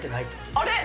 あれ？